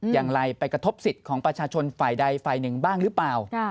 อย่างไรไปกระทบสิทธิ์ของประชาชนฝ่ายใดฝ่ายหนึ่งบ้างหรือเปล่า